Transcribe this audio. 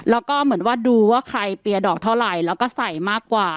แล้วก็เหมือนว่าดูว่าใครเปียดอกเท่าไหร่แล้วก็ใส่มากกว่า